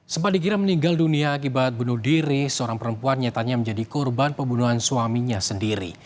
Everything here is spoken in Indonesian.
sempat dikira meninggal dunia akibat bunuh diri seorang perempuan nyatanya menjadi korban pembunuhan suaminya sendiri